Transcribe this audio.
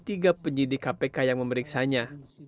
tiga penyidik kpk yang memeriksanya